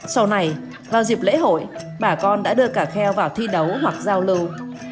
sau này vào dịp lễ hội bà con đã đưa cả kheo vào thi đấu hoặc giao lưu